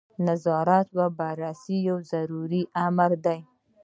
نظارت او بررسي یو ضروري امر دی.